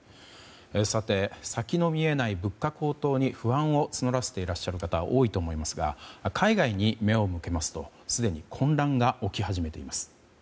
さて、先の見えない物価高騰に不安を募らせている方も多いと思いますが海外に目を向けますとすでに混乱が起き始めています。